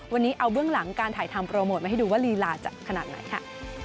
วันนี้เอาเบื้องหลังการถ่ายทำโปรโมทมาให้ดูว่าลีลาจะขนาดไหนค่ะ